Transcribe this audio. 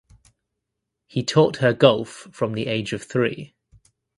He taught her golf from the age of three.